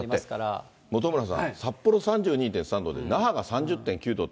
だって本村さん、札幌３２．３度で、那覇が３０．９度って。